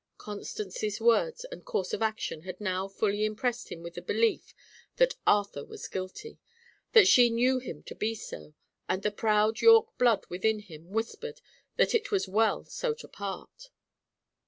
Constance's words and course of action had now fully impressed him with the belief that Arthur was guilty; that she knew him to be so; and the proud Yorke blood within him whispered that it was well so to part.